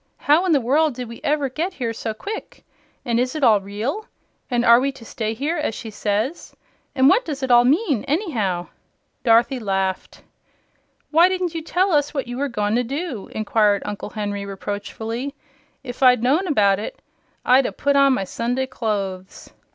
How in the world did we ever get here so quick? And is it all real? And are we to stay here, as she says? And what does it all mean, anyhow?" Dorothy laughed. "Why didn't you tell us what you were goin' to do?" inquired Uncle Henry, reproachfully. "If I'd known about it, I'd 'a put on my Sunday clothes."